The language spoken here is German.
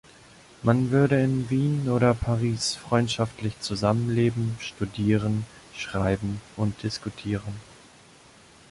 Man würde in Wien oder Paris freundschaftlich zusammenleben, studieren, schreiben und diskutieren.